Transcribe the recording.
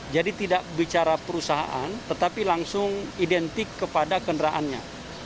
jadi tidak bicara perusahaan tetapi langsung identik kepada kenderaannya